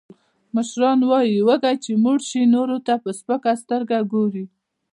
مشران وایي: وږی چې موړ شي، نورو ته په سپکه سترګه ګوري.